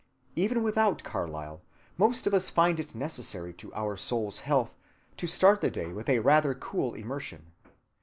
Even without Carlyle, most of us find it necessary to our soul's health to start the day with a rather cool immersion.